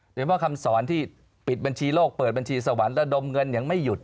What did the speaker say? เฉพาะคำสอนที่ปิดบัญชีโลกเปิดบัญชีสวรรค์ระดมเงินยังไม่หยุด